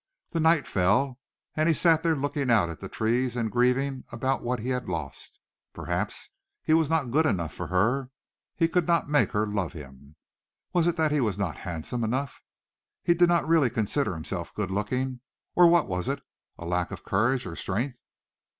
The night fell, and he sat there looking out at the trees and grieving about what he had lost. Perhaps he was not good enough for her he could not make her love him. Was it that he was not handsome enough he did not really consider himself good looking or what was it, a lack of courage or strength?